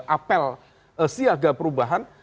apel siaga perubahan